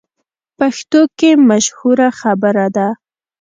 پښتو کې مشهوره خبره ده: